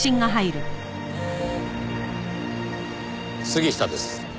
杉下です。